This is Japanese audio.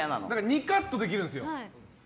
２カットできるんですよ。